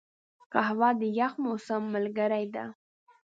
قهوه د یخ موسم ملګرې ده